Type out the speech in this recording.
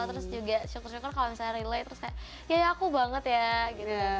terus juga syukur syukur kalau misalnya relay terus kayak ya aku banget ya gitu